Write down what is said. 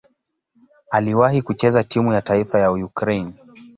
Aliwahi kucheza timu ya taifa ya Ukraine.